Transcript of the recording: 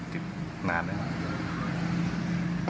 ติดมานานแล้ว